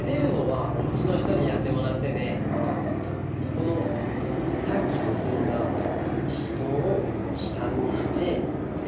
このさっきむすんだひもをしたにしていれていきます。